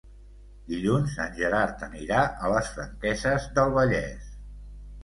Dilluns en Gerard anirà a les Franqueses del Vallès.